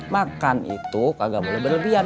makan itu kagak boleh berlebihan